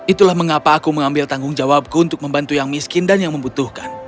itulah mengapa aku mengambil tanggung jawabku untuk membantu yang miskin dan yang membutuhkan